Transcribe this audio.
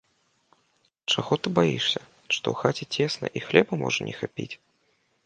Чаго ты баішся, што ў хаце цесна і хлеба можа не хапіць?